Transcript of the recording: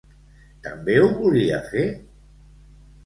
També ho volia fer?